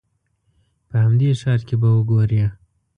په همدې ښار کې به وګورې.